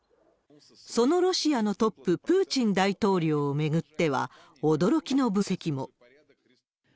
そのロシアのトップ、プーチン大統領を巡っては、驚きの分析も。